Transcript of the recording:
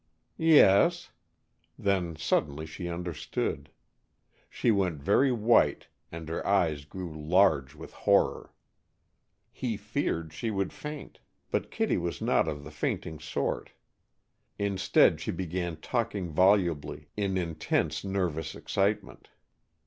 "Yes." Then, suddenly, she understood. She went very white and her eyes grew large with horror. He feared she would faint, but Kittie was not of the fainting sort. Instead she began talking volubly, in intense nervous excitement.